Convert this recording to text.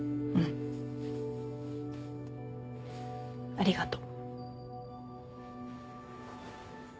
ありがとう。